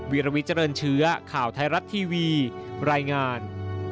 วิรวิเจริญเชื้อข่าวไทยรัฐทีวีรายงาน